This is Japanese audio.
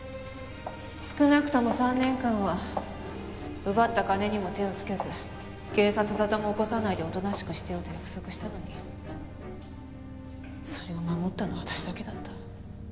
少なくとも３年間は奪った金にも手をつけず警察沙汰も起こさないでおとなしくしてると約束したのにそれを守ったのは私だけだった。